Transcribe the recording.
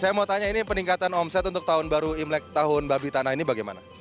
saya mau tanya ini peningkatan omset untuk tahun baru imlek tahun babi tanah ini bagaimana